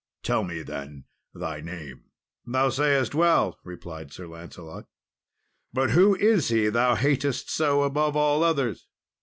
Tell me, then, thy name." "Thou sayest well," replied Sir Lancelot; "but who is he thou hatest so above all others?"